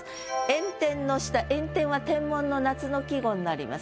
炎天の下「炎天」は天文の夏の季語になります。